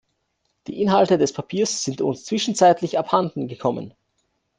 Die Inhalte des Papiers sind uns zwischenzeitlich abhanden gekommen.